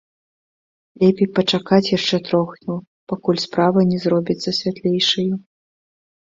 Лепей пачакаць яшчэ троху, пакуль справа не зробіцца святлейшаю.